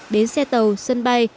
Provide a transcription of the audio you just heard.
đến xe tàu sân bay